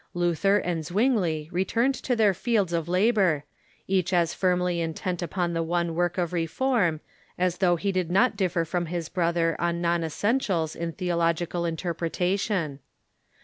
Luther and Zwingli returned to their fields of labor, each as firmly intent upon the one work of reform as though he did not differ from his brother on non essentials in theological interpretation.